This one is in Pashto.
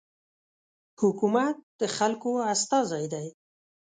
حکومت د خلکو استازی دی.